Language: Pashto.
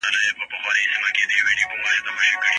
فارابي ويلي دي چي مصلحت د ټولني لپاره مهم دی.